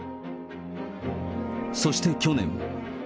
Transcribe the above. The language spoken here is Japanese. そして去年。